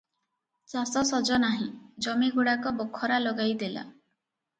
ଚାଷ ସଜ ନାହିଁ, ଜମିଗୁଡାକ ବଖରା ଲଗାଇ ଦେଲା ।